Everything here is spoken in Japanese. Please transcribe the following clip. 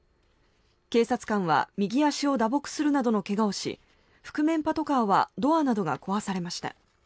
警察官は右足を打撲するなどの怪我をし覆面パトカーはドアなどが壊されました。